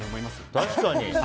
確かに。